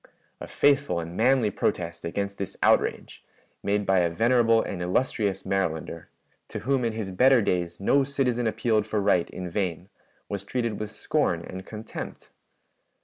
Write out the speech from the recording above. "A faithful and manly protest against this outrage, made by a venerable and illustrious Marylander, to whom in his better days no citizen appealed for right in vain, was treated with scorn and contempt.